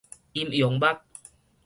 陰陽目